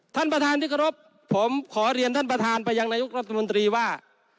ท่านประธานที่เคารพผมขอเรียนท่านประธานไปยังนายกรัฐมนตรีว่า